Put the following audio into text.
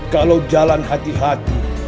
kalau jalan hati hati